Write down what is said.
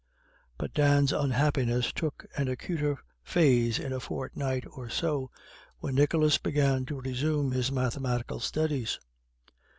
But Dan's unhappiness took an acuter phase in a fortnight or so, when Nicholas began to resume his mathematical studies.